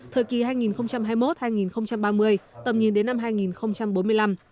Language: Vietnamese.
thời kỳ hai nghìn hai mươi một hai nghìn ba mươi tầm nhìn đến năm hai nghìn bốn mươi năm